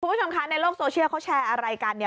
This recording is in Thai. คุณผู้ชมคะในโลกโซเชียลเขาแชร์อะไรกันเนี่ย